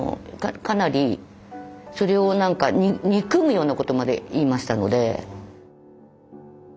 かなりそれを憎むようなことまで言いましたので。